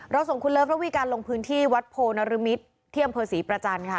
ส่งคุณเลิฟระวีการลงพื้นที่วัดโพนรมิตรที่อำเภอศรีประจันทร์ค่ะ